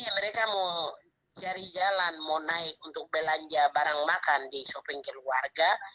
mereka mau cari jalan mau naik untuk belanja barang makan di shopping keluarga